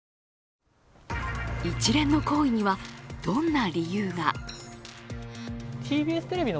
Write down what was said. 一連の行為にはどんな理由が？